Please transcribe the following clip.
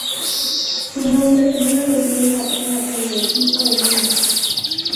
Su nombre según la leyenda era el del hijo de Minos.